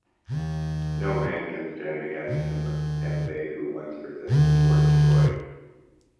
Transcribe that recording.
No man can stand against him and they who once resisted, were destroyed.